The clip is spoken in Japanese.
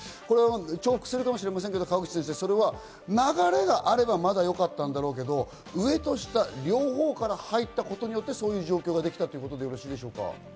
重複するかもしれませんが、それは流れがあれば、まだよかったんだろうけど、上と下、両方から入ったことでそういう状況ができたということでよろしいでしょうか？